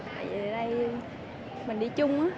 tại vì ở đây mình đi chung á